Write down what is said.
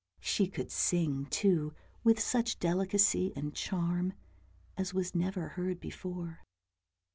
She could sing, too, with such delicacy and charm as was never heard before.